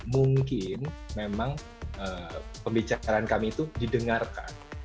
mungkin memang pembicaraan kami itu didengarkan